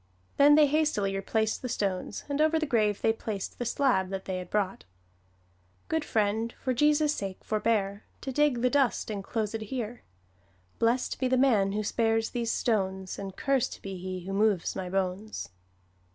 Then they hastily replaced the stones, and over the grave they placed the slab that they had brought: "Good friend, for Jesus' sake forbear, To dig the dust enclosed here, Blest be the man who spares these stones, And cursed be he who moves my bones."